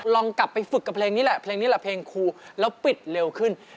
ลองกลับไปฝึกกับเพลงนี้แหละเพลงนี้แหละเพลงครูแล้วปิดเร็วขึ้น